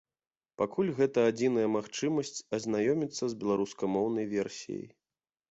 Пакуль гэта адзіная магчымасць азнаёміцца з беларускамоўнай версіяй.